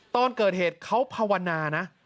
ตอนเกิดเหตุเขาภาวนานะ